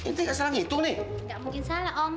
nggak mungkin salah om